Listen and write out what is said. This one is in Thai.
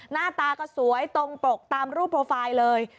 หน้าตาก็สวยตรงปกตามรูปโปรไฟล์เลย